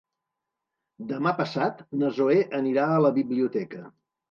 Demà passat na Zoè anirà a la biblioteca.